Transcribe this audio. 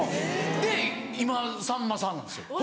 で今さんまさんなんですよ。